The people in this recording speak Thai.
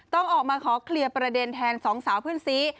ต้องออกมาขอเคลียร์ประเด็นแทนสองสาวเพื่อนซี